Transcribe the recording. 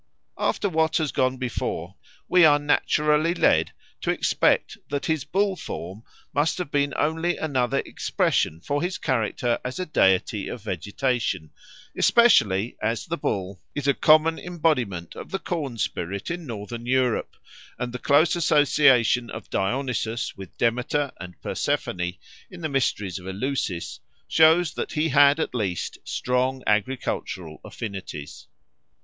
After what has gone before we are naturally led to expect that his bull form must have been only another expression for his character as a deity of vegetation, especially as the bull is a common embodiment of the corn spirit in Northern Europe; and the close association of Dionysus with Demeter and Persephone in the mysteries of Eleusis shows that he had at least strong agricultural affinities.